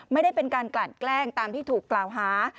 ไม่ได้เป็นการกลั่นแกล้งตามที่ถูกกล่าวหา